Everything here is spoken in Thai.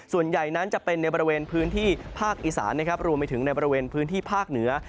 ส่วนใหญ่นั้นจะเป็นในบริเวณพื้นที่ภาคอีสานนะครับรวมไปถึงในบริเวณพื้นที่ภาคเหนือ